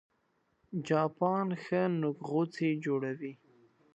چاپان ښه نوک غوڅي جوړوي